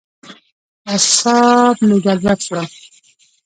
اعصاب مې ګډوډ شول.